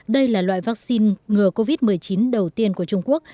đây là loại vaccine ngừa covid một mươi chín đầu tiên của trung quốc